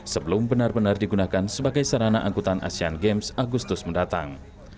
sebelum benar benar digunakan sebagai sarana angkutan asian games agustus mendatang